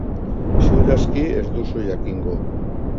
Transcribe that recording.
Ziur aski ez duzu jakingo.